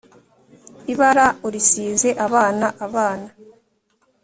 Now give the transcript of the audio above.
ibara urisize abana abana